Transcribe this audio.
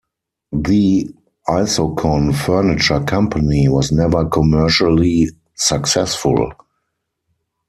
The Isokon Furniture Company was never commercially successful.